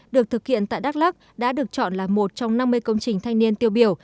được thực hiện tại đắk lắc đã được chọn là một trong năm mươi công trình thanh niên tiêu biểu